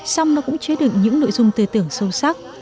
xong nó cũng chứa đựng những nội dung tư tưởng sâu sắc